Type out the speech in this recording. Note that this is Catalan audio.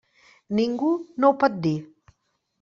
Ningú no ho pot dir.